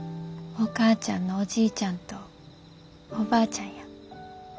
お母ちゃんのおじいちゃんとおばあちゃんや。